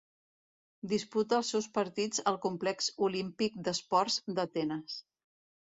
Disputa els seus partits al Complex Olímpic d'Esports d'Atenes.